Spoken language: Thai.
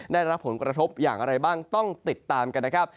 ได้รับผลกระทบอย่างไรบ้างต้องติดตามกันนะครับ